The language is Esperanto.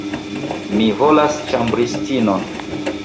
Mi volas ĉambristinon.